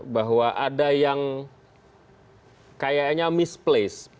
bahwa ada yang kayaknya misplace